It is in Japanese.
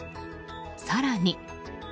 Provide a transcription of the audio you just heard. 更に。